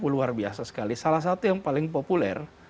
luar biasa sekali salah satu yang paling populer